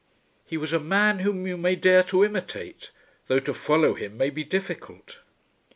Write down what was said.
He was a man whom you may dare to imitate, though to follow him may be difficult."